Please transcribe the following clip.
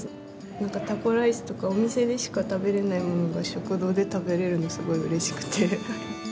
タコライスとかお店でしか食べれないものが食堂で食べれるのすごいうれしくて。